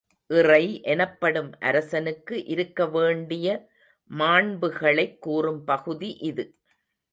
இறை எனப்படும் அரசனுக்கு இருக்க வேண்டிய மாண்புகளைக் கூறும் பகுதி இது.